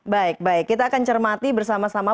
baik baik kita akan cermati bersama sama